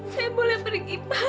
saya boleh pergi pak